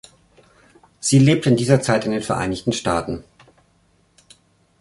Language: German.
Sie lebte in dieser Zeit in den Vereinigten Staaten.